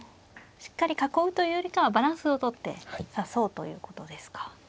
しっかり囲うというよりかはバランスをとって指そうということですか。